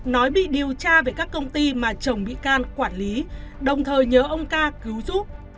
nói bị điều tra về các công ty mà chồng bị can quản lý đồng thời nhớ ông ca cứu giúp